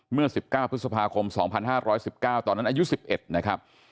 เมื่อ๑๙พฤษภาคม๒๕๑๙ตอนนั้นอายุ๑๑นะครับ